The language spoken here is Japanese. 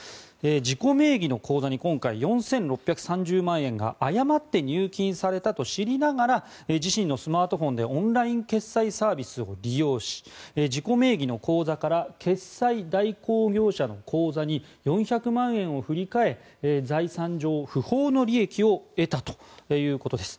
自己名義の口座に今回、４６３０万円が誤って入金されたと知りながら自身のスマートフォンでオンライン決済サービスを利用し自己名義の口座から決済代行業者の口座に４００万円を振り替え財産上、不法の利益を得たということです。